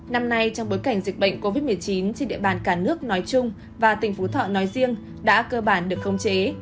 năm nay trong bối cảnh dịch bệnh covid một mươi chín trên địa bàn cả nước nói chung và tỉnh phú thọ nói riêng đã cơ bản được khống chế